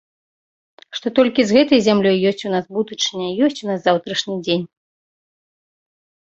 Што толькі з гэтай зямлёй ёсць у нас будучыня, ёсць у нас заўтрашні дзень.